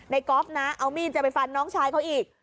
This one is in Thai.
ก๊อฟนะเอามีดจะไปฟันน้องชายเขาอีก